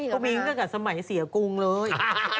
ก็มีกันตั้งแต่สมัยเสียกรุงเลย